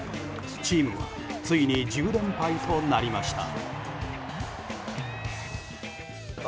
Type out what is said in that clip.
チームはついに１０連敗となりました。